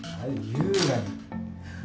優雅に。